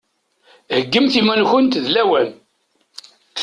Heggimt iman-nkunt d lawan!